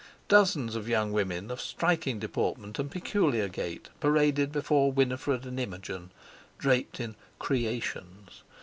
Dozens of young women of striking deportment and peculiar gait paraded before Winifred and Imogen, draped in "creations."